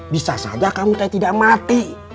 bisa saja kamu saya tidak mati